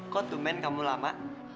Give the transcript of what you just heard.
kok dumen kamu lama